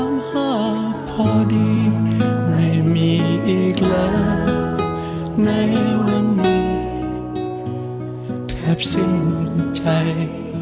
ภาพพอดีไม่มีอีกแล้วในวันนี้แทบสิ้นใจ